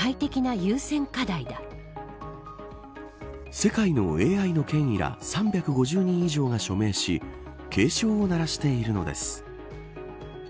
世界のＡＩの権威ら３５０人以上が署名し警鐘を鳴らしているのです。